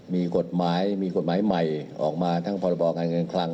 มีกรดหมายมีกรดหมายใหม่ออกมาแบบราบวางการเงินคลัง